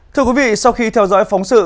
thưa quý vị sau khi theo dõi phóng sự